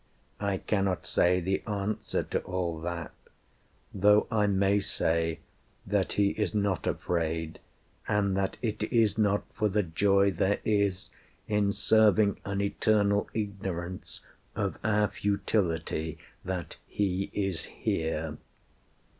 I cannot say the answer to all that; Though I may say that He is not afraid, And that it is not for the joy there is In serving an eternal Ignorance Of our futility that He is here.